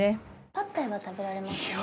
パッタイは食べられますよね？